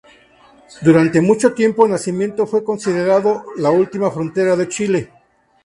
Durante mucho tiempo Nacimiento fue considerado la última frontera de Chile.